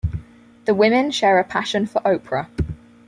The women share a passion for Oprah.